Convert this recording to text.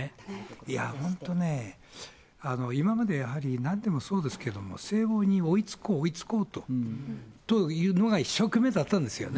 いや、本当ね、今までやはり、なんでもそうですけど、西欧に追いつこう、追いつこうというのが、一生懸命だったんですよね。